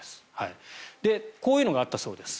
こういうのがあったそうです。